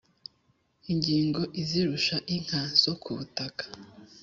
ingingo izirusha inka zo kubutaka